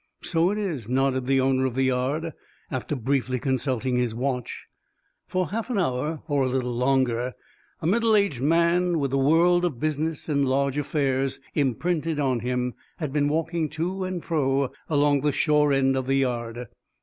"So it is," nodded the owner of the yard, after briefly consulting his watch. For half an hour, or a little longer, a middle aged man, with the world of business and large affairs imprinted on him, had been walking to and fro along the shore end of the yard.